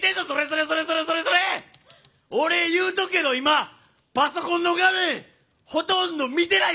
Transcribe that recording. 俺言うとくけど今パソコンの画面ほとんど見てないからな！